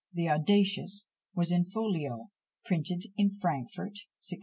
The audacious was in folio, printed at Frankfort, 1654.